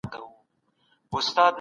د مشتریانو غوښتنې پوهېدل اړین دي.